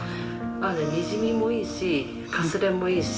にじみもいいしかすれもいいし。